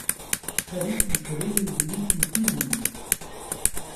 خەریکی کڕینی بلیتی فیلمین.